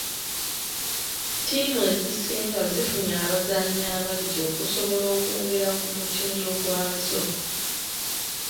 Ttiimu ezisinga zifunye abazannyi abaggya okusobola okwongera ku mutindo gwazo.